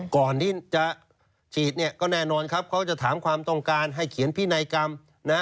ก่อนที่จะฉีดเนี่ยก็แน่นอนครับเขาจะถามความต้องการให้เขียนพินัยกรรมนะ